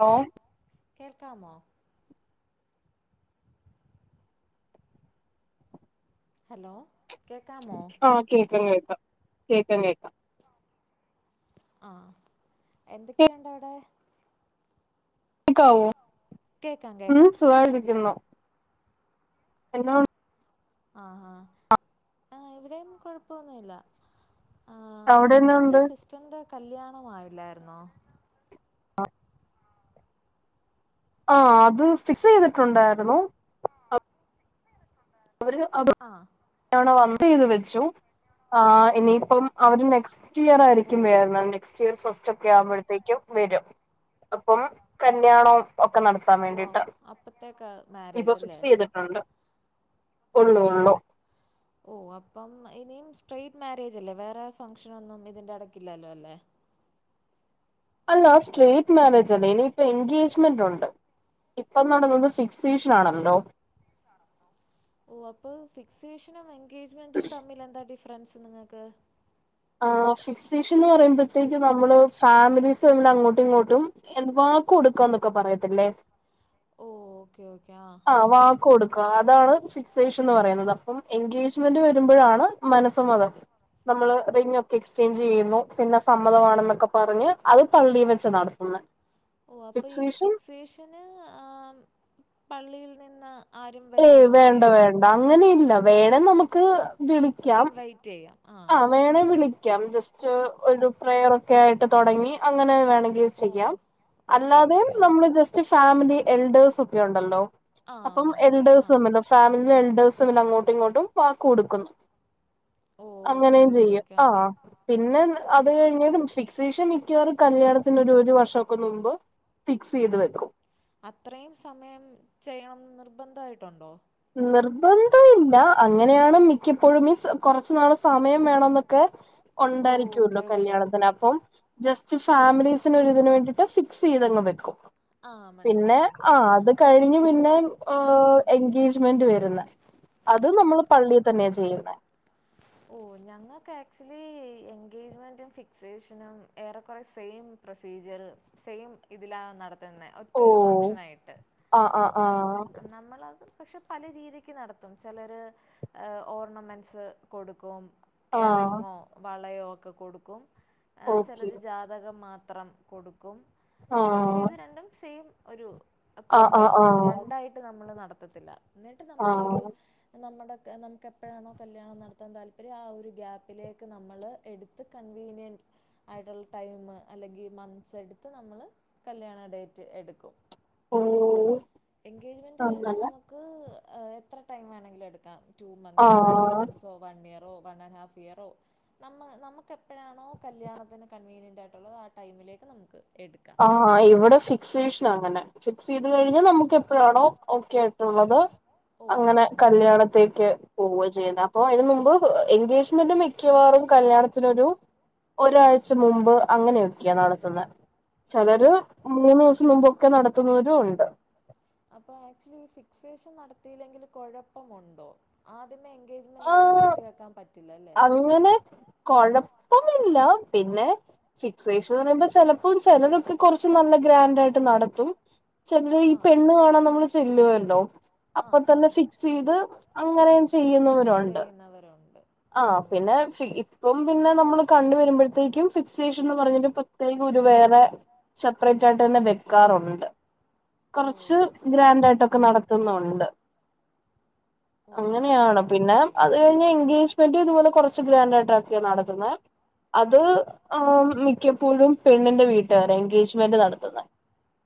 Hello കേൾക്കാമോ? Hello കേക്കമോ? ആഹ് കേൾക്കാൻ കേൾക്കാം കേൾക്കൻ കേൾക്കാം. ആഹ് എന്തൊക്കെയുണ്ട അവിടെ? കാവോ ഉം സുഖായിട്ടിരിക്കുന്നു എന്ന ആഹ് ആഹ് ആഹ് ഇ വിടെയും കൊഴപ്പ ഒന്നു ഇല്ല ആഹ് നിന്റെ സിസ്റ്ററിന്റെ കല്യാണം ആയില്ലായിരുന്നോ ആഹ് ആഹ് അത് ഫിക്സ് ചെയ്തിട്ട് ഉണ്ടായിരുന്നു ആഹ് അവര് അത് ആഹ് യാണ വന്ന് ഫിക്സ് ചെയ്ത് വെച്ചു ആഹ് ഇനിയിപ്പം അവര് നെക്സ്റ്റ് സ്റ്റ് ഇയർ ആയിരിക്കും വെരുന്നത് നെക്സ്റ്റ് ഇയർ ഫസ്റ്റ് ഒക്കെ ആവുമ്പോഴത്തേക്കും വെരും അപ്പം കല്യാണം ഒക്കെ നടത്താൻ വേണ്ടിട്ട് ഇപ്പൊ ഫിക്സ് ചെയ്ത് അണ്ട കൊള്ളൂ ഒള്ളു ഓ അപ്പം ഇനിയും സ്ട്രേറ്റ് മാരേജ് അല്ലേ വേറെ ഫംഗ്ഷനൊന്നും ഇതിന്റെ എടക്കില്ലല്ലോ അല്ലേ അല്ല സ്ട്രേറ്റ് മാരേജ് അല്ല ഇനി ഇപ്പ എംഗേജ് ചിന്നിട്ട് ഒണ്ട് ഇപ്പ നടന്നത് ഫിക്സ് സീഷൻ ആണല്ലോ ഒക്കെ ആണോ ഇപ്പൊ ഓ അപ്പ ഫിക്സേഷനും എൻഗേജ്മെന്റും തമ്മിൽ എന്താ ഡിഫ് ഫ്രണ്ട്സ് നിങ്ങക്ക് ആഹ്‌ ഫിക്സേഷ്യൻ എന്ന് പറയുമ്പഴത്തേക്കും നമ്മള് ഫാമിലീസ് തമ്മിൽ അങ്ങോട്ടും ഇങ്ങോട്ടും എ കുടുക്കൊ എന്ന് ഒക്കെ പറയത്തില്ലേ ഓക്കെ ഓക്കെ ആഹ്‌ ആഹ്‌ വാക്ക് കൊടുക്കുക അതാണ് ഫിക്സേഷൻ എന്ന് പറയുന്നത് അപ്പം എൻഗേജ്മെന്റ് വരുമ്പോഴാണ് മനസ്സമ്മതം നമ്മള് റിംഗ് ഒക്കെ എക്സ്ചേഞ്ച് ചെയ്യുന്നു പിന്നെ സമ്മതം ആണ് എന്ന് ഒക്കെ പറഞ്ഞ് അത് പള്ളി വെച്ച് നടത്തുന്നെ ഫിക്സ് വെക്ഷൻ അച്ഛന് ആ പള്ളിയിൽ നിന്ന് ഏയ് വേണ്ട വേണ്ട അങ്ങനെ ഇല്ല വേണേ നമുക്ക് വിളിക്കാം സ്റ്റേയ ആ വേണെ വിളിക്കാം ജസ്റ്റ് ഒരു പ്രയറ് കേട്ട് തൊടങ്ങി അങ്ങനെ വേണെങ്കിൽ ചെയ്യാം അല്ലാതെ നമ്മള് ജ മ ഫാമിലി എൽഡേഴ്സ് ഒക്കെ ഒണ്ടല്ലോ അപ്പം എൽഡേഴ്സ് വന്നല്ലോ ഫാമിലിെ എൽഡേഴ്സും അങ്ങോട്ടും ഇങ്ങോട്ടും വാക്ക് കൊടുക്കുന്നു അങ്ങനെ ചെയ്യു ആഹ്‌ പിന്നെ അത് കഴിഞ്ഞിട്ട് ഫിക്സേഷൻ മിക്കവാറും കല്യാണത്തിന് ഒരു ഒരു വർഷ ഒക്കെ മുമ്പ് ഫിക്സ് ചെയ്ത് വെക്കും അത്രയും സമയം ചെയ്യണോ എന്ന് നിർബന്ധയിട്ടുണ്ടോ നിർബന്ധം ഇല്ല അങ്ങനെയാണ് മിക്കപ്പോഴും മീൻസ് കൊറച്ച് നാള് സമയം വേണോ എന്ന് ഒക്കെ ഉണ്ടായിരിക്കുവല്ലോ കല്യാണത്തിന് അപ്പം ജസ്റ്റ് ഫാമിലീസിന് ഒരു ഇതിന് വേണ്ടിട്ട് ഫിക്സ് ചെയ്ത് അങ്ങ് വെക്കും പിന്നെ ആഹ്‌ അത് കഴിഞ്ഞ് പിന്നെ ഒ എൻകേ വേണ്ടി വരുന്ന അത് നമ്മള് പള്ളി തന്നെ ചെയ്യുന്നെ ഓഹ്‌ ഞങ്ങക്ക് ആക്ച്വലി എൻഗേജ്മെൻറും ഫിക്സേഷനും ഏറെ കൊറേ സെയിം പ്രൊസീജിയറ് സെയിം ഇതിലാണ് നട തന്നെ ഒറ്റ ഒരു ഫംഗ്ഷനായിട്ട് നമ്മളത് പക്ഷെ പല രീതിക്ക് നടത്തും ചെലരെ ഓർണമെൻസ് കൊടുക്കും എറിങ്ങോ വളയോ ഒക്കെ കൊടുക്കും ചെലര് ജാ തകം മാത്രം കൊടുക്കും പക്ഷെ ഇത് രണ്ടും സെയിം ഒരു പ്രോഗ്രാമ രണ്ടായി ക്ക് നമ്മള് നടത്തത്തില്ല എന്നിട്ട് നമ്മള് ഒരു നമ്മടെ ഒക്കെ നമുക്ക് എപ്പോഴാണോ കല്യാണം നട തന്ത് താല്പര്യം ആ ഒരു ഗ്യാപ്പിലേക്ക് നമ്മള് എടുത്ത് കൺവീനിയന്റ് ആയിട്ടുള്ള ടൈംമ് അല്ലെങ്കിൽ മന്ത്സ് എടുത്ത് നമ്മള് കല്യാണ ഡേറ്റ് എടുക്കും എൻഗേജ്മെന്റ് കഴിഞ്ഞാൽ നമുക്ക് എത്ര ടൈം വേണെങ്കിലും എടുക്കാം ടു മന്ത്സോ സിക്സ് മന്ത്സോ വൺ ഇയറോ വൺ ആൻഡ് ഹാഫ് ഇയറോ നമ്മൾ നമ്മുക്കെപ്പഴാണോ കല്ല്യാണത്തിന് കൺവീനിയൻ്റ് ആയിട്ടുള്ളത് ആ ടൈമിലേക്ക് നമുക്ക് എടുക്കാം ആഹ് ഇവിടെ സിക്സേഷനാ അങ്ങനെ ഫിക്സ് ചെയ്ത് കഴിഞ്ഞ നമ്മുക്ക് എപ്പഴാണോ ഓക്കെ ആയിട്ടുള്ളത് അങ്ങനെ കല്യാണത്തേക്ക് പോവു ചെയ്യുന്നത് അപ്പൊ അതിന് മുമ്പ് എൻഗേജ്മെന്റും മിക്കവാറും കല്യാണത്തിനോരു ഒരാഴ്ച മുമ്പ് അങ്ങനെയൊക്കെയാ നടത്തുന്നെ ച്ചെലര് മൂന്ന് ദിവസം മുമ്പൊക്കെ നടത്തുന്നവരും ഉണ്ട് അപ്പൊ ആക്ച്വലി ഈ ഫിക്സേഷൻ നടത്തിയില്ലെങ്കില് കോഴപ്പമുണ്ടോ ആദ്യമേ എൻഗേജ്മെന്റ് ഇങ്ങനെ നടത്തി വെക്കാൻ പറ്റില്ല അല്ലേ എങ്ങനെ കുഴപ്പമില്ല പിന്നെ ഫിക്സേഷൻന്ന് പറയുമ്പോ ചെല ഇപ്പൊ ചെലെരോക്കെ കുറച്ച് നല്ല ഗ്രാൻഡ്‌ ആയിട്ട് നടത്തും ചെലര് ഈ പെണ്ണ് കാണാൻ നമ്മള് ചെല്ലുവല്ലോ അപ്പൊ തന്നെ ഫിക്സ് ചെയ്ത് അങ്ങനേം ചെയ്യുന്നവര് ഉണ്ട് ആഹ് പിന്നെ സി ഇപ്പം പിന്നെ നമ്മള് കണ്ട് വരുമ്പഴ്ത്തേക്കും ഫിക്സേഷൻ എന്ന് പറഞ്ഞിട്ട് ഇപ്പ ത്തെക്ക് ഒരു വേറെ സെപ്പറേറ്റ് ആയിട്ട് തന്നെ വെക്കാറുണ്ട് കുറച്ച് ഗ്രാൻഡ് ആയിട്ടൊക്കെ നടത്തുന്നുണ്ട് ഓഹ് മൻസിലായി പിന്നെ അത് കഴിഞ്ഞ് എൻഗേജ്മെന്റ് ഇതുപോലെ കുറച്ച് ഗ്രാൻഡായിട്ടക്കെയാ നടത്ത്ന്നെ അത് ആഹ് മിക്കപ്പോഴും പെണ്ണിന്റെ വീട്ടുകാര എൻഗേജ്മെന്റ് നടത്തുന്ന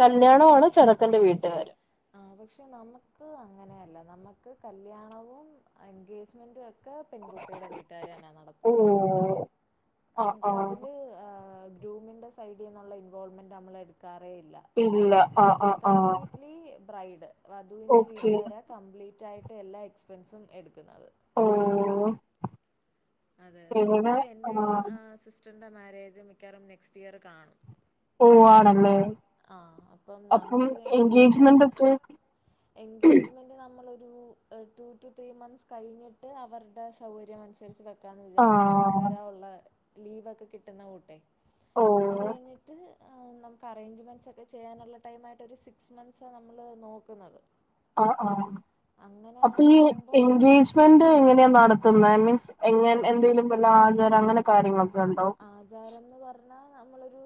കല്യാണം ആണ് ചെറക്കന്റെ വീട്ടുകാര് ആഹ് പക്ഷെ നമ്മുക്ക് അങ്ങനെയല്ല നമ്മക്ക് കല്യാണവും എൻഗേജ്മെന്റും ഒ ക്കെ പെൺകുട്ടിയുടെ വീട്ടുകാരന്നാ നടത്തുന്നത് നമുക്ക് അതില് ആഹ് ഗ്രൂമിന്റെ സൈഡിന്നുള്ള ഇൻവോൾവ്മെന്റ് നമ്മള് എടുക്കാറേ ഇല്ല ഇല്ല ആഹ് ആഹ് ആഹ് നീ ബ്രൈഡ് വധുവിൻ്റെ വീട്ടുകാര കംപ്ലീറ്റ് ആയിട്ട് എല്ലാ എക്സ്പെൻസും എടുക്കുന്നത് ഓഹ് അതെ അതെ ഇവിടെ എന്റെയും സിസ്റ്ററിന്റെ മാരേജും മിക്കാറും നെക്സ്റ്റ് ഇയർ കാണും ഓഹ് ആഹ് ആഹ് അപ്പം നമ്മുക്ക് എൻഗേജ്മെന്റ് എൻഗേജ്മെ ന്റ് നമ്മൾ ഒരു ടു ത്രീ മന്ത്സ് കഴിഞ്ഞിട്ട് അവരുടെ സൗകര്യം അനുസരിച്ച് വെ ക്കാന്ന് വിചാരിച്ചു അവർക്ക് വരാനുള്ള ലീവ് ഒക്കെ കിട്ടുന്ന കൂട്ടെ അത് കഴിഞ്ഞിട്ട് നമ്മുക്ക് അറേഞ്ച് മെൻസൊക്കെ ചെയ്യാനുള്ള ടൈം ആയിട്ടൊരു സിക്സ് മന്ത്സ നമ്മള് നോക്കുന്നത് ആഹ് ആഹ് അപ്പോ ഈ എൻഗേജ് മെന്റ് എങ്ങനെയാ നടത്തുന്നെ മീൻസ് എങ്ങെ എന്തെലും വല്ല ആചാരം അങ്ങനെ കാര്യങ്ങളൊക്കെ ഉണ്ടോ ആചാരംന്ന് പറഞ്ഞാൽ നമ്മളൊരു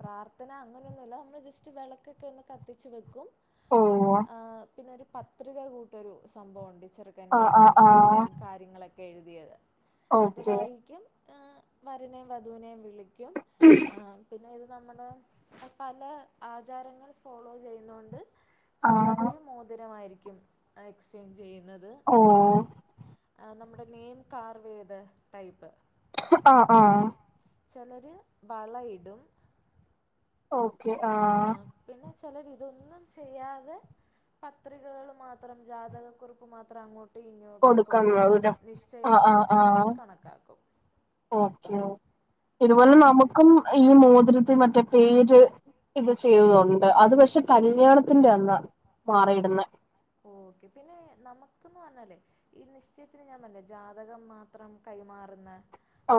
പ്രാർത്ഥന അങ്ങനെന്നുല്ല നമ്മൾ ജസ്റ്റ് വിളക്കൊക്കെ ഒന്ന് കത്തിച്ച് വെക്കും ആഹ് പിന്നെ ഒരു പത്രിക കൂട്ടൊരു സംഭവം ഉണ്ട് ചെർ ക്കന്റെയും പെൺകുട്ടിയുടെയും കാ ര്യങ്ങളൊക്കെ എഴുതിയത് അത് വായിക്കും വരനേം വധുവിനേം വിളിക്കിം ആഹ് പിന്നെ ഇത് നമ്മുടെ പല ആചാരങ്ങൾ ഫോളോ ചെയ്യുന്നോണ്ട് ചേലവര് മോതിരം ആയിരിക്കും എക്സ്ചേഞ്ച് ചെയ്യുന്നത് ഓഹ് നമ്മുടെ നെയിം കാർവേത ടൈപ്പ് ആഹ് ആഹ് ചെലര് വളയിടും ഓക്കെ ആ പിന്നെ ചിലര് ഇതൊന്നും ചെയ്യാതെ പത്രികള് മാത്രം ജാതകക്കുറിപ്പ് മാത്രം അങ്ങോ ട്ടും ഇങ്ങോട്ടും കൊടുത്ത് നിശ്ചയം നടത്തിയതായിട്ട് കണക്കാക്കും ഓക്കേ ഇതുപോലെ നമുക്കും ഈ മോതിരത്തിൽ മറ്റേ പേര് ഇത് ചെയ്യും അത് പക്ഷെ കല്യാണത്തിന്റെ അന്നാ മാറിയിടുന്നേ ഓക്കെ പിന്നെ നമുക്കെന്ന് പറഞ്ഞാലേ ഈ നിശ്ചയത്തിന് ഞാൻ പറഞ്ഞില്ലേ ജാതകം മാത്രം കൈമാറുന്ന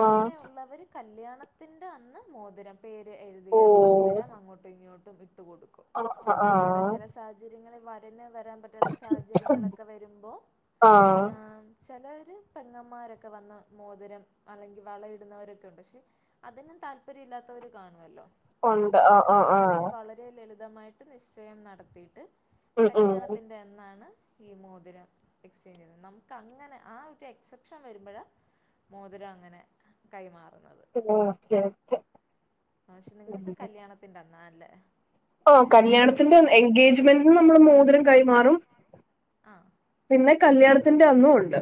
അങ്ങനെയുള്ളവര് കല്ല്യാണത്തിന്റെ അന്ന് മോതിരം പേര് എഴുതിയ മോതിരം അങ്ങോട്ടും ഇങ്ങോട്ടും ഇട്ടുകൊടുക്കും. ചെല ചെല സാഹ ചര്യങ്ങളിൽ വരന് വരാൻ പറ്റാത്ത സാഹചര്യങ്ങളൊക്കെ വരുമ്പോ, ആഹ് ചെലവര് പെങ്ങന്മാരൊക്കെ വന്ന് മോതിരം അല്ലെങ്കിൽ വളയിടുന്നവരൊക്കെ ഉണ്ട്. പക്ഷെ അതിനും താല്പര്യം ഇല്ലാത്തവര് കാണുല്ലോ അങ്ങനെയുള്ളവര് വളരെ ലളിതമായിട്ട് നിശ്ചയം നടത്തിയിട്ട് കല്യാണത്തിൻ്റെ അന്നാണ് ഈ മോതിരം എക്സ്ചേഞ്ച് ചെയ്യുന്നത്. നമുക്ക് അങ്ങനെ ആ ഒരു എക്സെപ്ഷൻ വരുമ്പോഴ മോതിരം അങ്ങനെ കൈമാറുന്നത്. പക്ഷെ നിങ്ങൾക്ക് കല്യാണത്തിന്റെ അന്നാണല്ലേ ഓഹ്, കല്യാണത്തിന്റെ അൻ എൻഗേജ്മെന്റിന് നമ്മള് മോതിരം കൈമാറും. പിന്നെ കല്യാണത്തിന്റെ അന്നു ഉണ്ട്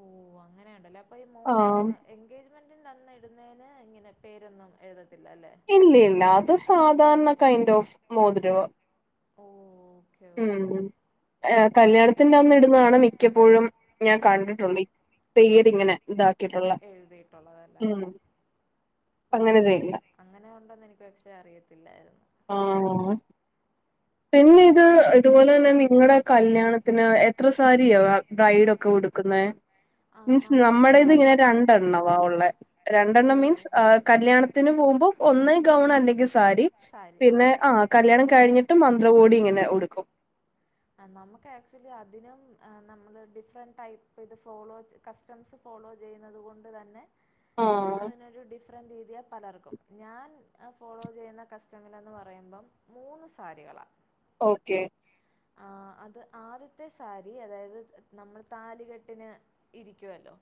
ഓഹ് അങ്ങനെ ഉണ്ടല്ലേ, അപ്പൊ മോ ഏഹ് എൻഗേജ് ജ്മെന്റിന്റെ അന്ന് ഇടുന്നതിന് ഇങ്ങനെ പേരൊന്നും എഴുതത്തില്ല അല്ലേ. ഇല്ല ഇല്ല അത് സാധാരണ കൈൻഡ് ഓഫ് മോതിരുവാ ഓഹ് ഓക്കേ ഓക്കേ ഏഹ് കല്യാണത്തിന്റെ അന്നിടുന്നതാണ് മിക്കപ്പോഴും ഞാൻ കണ്ടിട്ടുള്ള പേരിങ്ങനെ ഇതാക്കിയിട്ടുള്ള, ഉം ഓഹ് അൻ അങ്ങനെ ഉണ്ടെന്ന് എനിക്ക് പക്ഷെ അറിയത്തില്ലായിരുന്നു. ആഹ്, പിന്നെ ഇത് ഇതുപോലെ തന്നെ നിങ്ങടെ കല്ല്യാണത്തിന് എത്ര സാരിയോ ബ്രൈഡൊക്കെ ഉടുക്കുന്നേ? മീൻസ് നമ്മടേത് ഇങ്ങനെ രണ്ടെണ്ണവാ ഉള്ളെ. രണ്ടെണ്ണം മീൻസ് ആഹ് കല്യാണത്തിന് പോകുമ്പോ ഒന്ന് ഗൗൺ അല്ലെങ്കിൽ സാരി സാരി ആഹ് കല്യാണം കഴിഞ്ഞിട്ടും മന്ത്ര കോടി ഇങ്ങനെ ഉടുക്കും. ആഹ്‌ നമ്മുക്ക് ആക്ച്വലി അതിനും ഏഹ് നമ്മള് ഡിഫ്റന്റ് ടൈപ്പ് ഇത് ഫോളോ കസ്റ്റംസ് ഫോളോ ചെയ്യുന്നത് കൊണ്ട് തന്നെ അതിനൊരു ഡിഫ് ഫ്റൻറ് രീതിയാ പലർക്കും ഞാൻ ഫോളോ ചെയ്യുന്ന കസ്റ്റമിലെന്ന് പറയുമ്പം മൂന്ന് സാരികളാ ഓക്കെ ആഹ്, അത് ആദ്യത്തെ സാരി അതായത് നമ്മൾ താലികെട്ടിന് ഇരിക്കുവല്ലോ,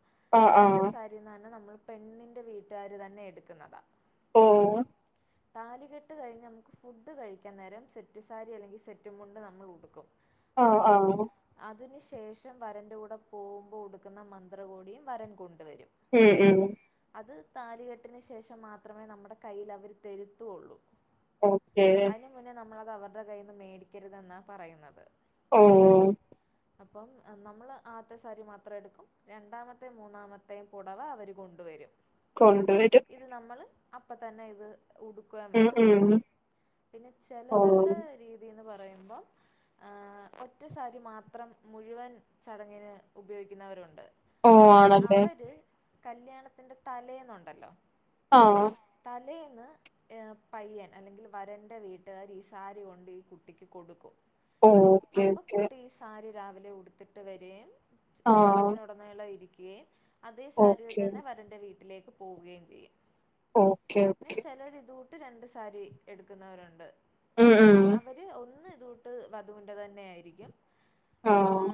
അപ്പത്തെ സരിന്ന്ന്ന നമ്മൾ പെണ്ണിന്റെ വീട്ടുകാര് തന്നെ എടുക്കുന്നതാ. ഓഹ് താലിക്കെട്ട് കഴിഞ്ഞ് നമുക്ക് ഫുഡ് കഴിക്കാൻ നേരം സെറ്റുസാരി അല്ലെങ്കിൽ സെറ്റുമുണ്ട് നമ്മൾ ഉടു ടുക്കും അതും അതിന് ശേഷം വരന്റെ കൂടെ പോകുമ്പോൾ ഉടുക്കുന്ന മന്ത്രകോടിയും വരൻ കൊണ്ടുവരും. ഉം ഉം അത് താലികെട്ടിന് ശേഷം മാത്രമേ നമ്മുടെ കൈൽ അവര് തെരുത്തുള്ളൂ. ഓക്കെ ന്ന് മുന്നേ നമ്മളത് അവരുടെ കയ്യിൽന്ന് മേടിക്കരുതെന്നാ പറയുന്നത്. ഓഹ് [inaudible] അപ്പം എഹ് നമ്മള് ആത്തെ സാരി മാത്രം എടുക്കും. രണ്ടാമത്തെം മൂന്നാമത്തെയും പുടവ അവര് കൊൺ ണ്ടു വരും കൊണ്ടു വരും ഇത് നമ്മള് അപ്പം തന്നെ ഇത് ഉടു ക്കുക എന്നാണ്. പിന്നെ ചെലവരുടെ രീതിന്ന് പറയുമ്പം ആഹ് ഒറ്റ സാരി മാത്രം മുഴുവൻ ചടങ്ങിന് ഉപയോഗിക്കുന്നവരുണ്ട്. അ അവര് കല്യാണത്തിന്റെ തലേന്നുണ്ടല്ലോ. ആഹ് തലേന്ന് ഏ പയ്യൻ അല്ലെങ്കിൽ വരന്റെ വീട്ടുകാര് ഈ സാരി കൊണ്ട് ഈ കുട്ടിക്ക് കൊടുക്കും അപ്പൊ കുട്ടി ഈ സാരി രാവിലെ ഉടുത്തിട്ട് വരെയും ചടങ്ങിന് ഉടനീളം ഇരിക്കുകയും അതേ സാരിൽ തന്നെ വരന്റ വീട്ടിലേക്ക് പോവുകയും ചെയ്യും പിന്നെ ചെലര് ഇതൂട്ട് രണ്ട് സാരി എടുക്കുന്നവരുണ്ട് അവ അവര് ഒന്ന് ഇതൊട്ട് വധുവിന്റെ തന്നെ ആയിരിക്കും ആ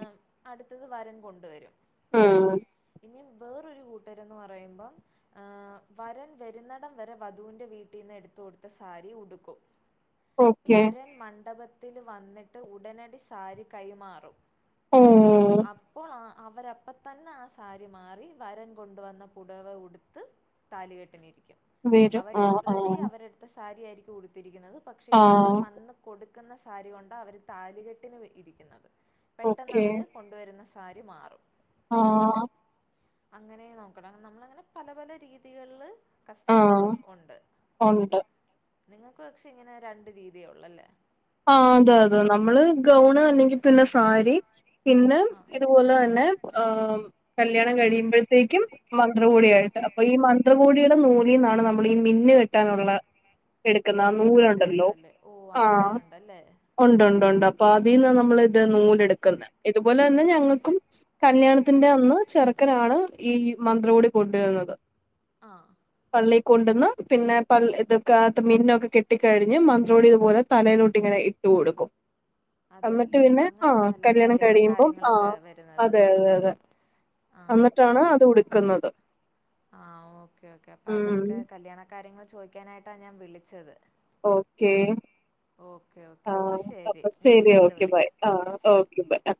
അടുത്തത് വരൻ കൊണ്ടുവരും ഉം ഉം നി വേറൊരു കൂട്ടരന്ന് പറയുമ്പം ആ വരൻ വരുന്നടം വരെ വധുവിൻ്റെ വീട്ടിന്ന് എടുത്തു കൊടുത്ത സാരി ഉടുക്കും വരൻ മണ്ഡപത്തില് വന്നിട്ട് ഉടനടി സാരി കൈമാറും അപ്പോളാ അവരപ്പ തന്നെ ആ സാരി മാറി വരൻ കൊണ്ടുവന്ന പുടവ ഉടുത്ത് താലുകെട്ടിനിരിക്കും അവര് ഓൾറെഡി അവരെടു സാരിയായിരിക്കുംഉടുത്തിരികുന്നത് പക്ഷെ ഈ വരൻ വന്നു കൊടുക്കുന്ന സാരി കൊണ്ട അവര് താലുകെട്ടിന് ഇരിക്കുന്നത് പെട്ടെന്ന് അവര് കൊണ്ടുവരുന്ന സാരി മാറും ആആ അങ്ങനെ നോക്കണം നമ്മളങ്ങന പല പല രീതികളില് കസ്റ്റംസ് ഉണ്ട് നിങ്ങൾക്ക് പക്ഷെ ഇങ്ങനെ രണ്ട് രീതിയേ ഉള്ള് എല്ലേ ആ അതെ അതെ നമ്മള് ഗൗണ് അല്ലെങ്കിൽ പിന്നെ സാരി പിന്നെ ഇതുപോലെ തന്നെ ആഹ കല്യാണം കഴിയുമ്പോഴത്തേക്കും മന്ത്രകൂടിയായിട്ട് അപ്പൊ ഈ മന്ത്രകൂടിയുടെ നൂലിന്നാണ് നമ്മൾ ഈ മിന്ന് കെട്ടാനുള്ള നൂലൊക്കെ എടുക്കുന്നതില്ലേ ഓ അങ്ങനെ ഉണ്ടല്ലേ ഉണ്ട് ഉണ്ട് ഉണ്ട് അപ്പൊ അതിൽന്ന നമ്മൾ ഇത് നൂലെടുക്കുന്നെ ഇതുപോലെ തന്നെ ഞങ്ങൾക്കും കല്യാണത്തിന്റെ അന്ന് ചെറുക്കനാണ് ഈ മന്ത്രകൂടി കൊണ്ടുവരുന്നത് ആഹ പള്ളിൽ കൊണ്ടുന്ന് പിന്നെ പള് ഇതൊകത്ത് മിന്നൊക്കെ കെട്ടി കഴിഞ്ഞ് മന്ത്രോടി ഇതുപോലെ തലയിലോട്ട ഇതിങ്ങനെ ഇട്ട് കൊടുക്കും എന്നിട്ട് പിന്നെ ആഹ കല്യാണം കഴിയുമ്പോ ആഹ അതെ അതെ അതെ അന്നിട്ടാണ് അത് ഉടുക്കുന്നത് ആ ഓക്കേ ഓക്കേ അപ്പൊ അതൊക്കെ കല്യാണ കാര്യങ്ങള് ചോദിക്കാനായിട്ടാ ഞാൻ വിളിച്ചത് ഓക്കേക്കേ ആഹ അപ്പൊ ശരി ഓക്കെ ബായി ആ ഓക്കെ ബായി